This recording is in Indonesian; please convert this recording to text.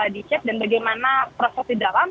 dicek dan bagaimana proses di dalam